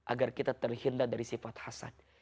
agar kita terhindar dari sifat hasad